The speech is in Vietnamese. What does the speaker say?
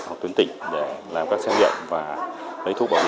hoặc tuyến tỉnh để làm các xét nghiệm và lấy thuốc bảo hiểm y tế